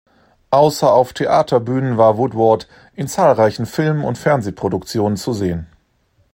Außer auf Theaterbühnen war Woodward in zahlreichen Filmen und Fernsehproduktionen zu sehen.